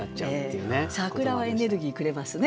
桜はエネルギーくれますね。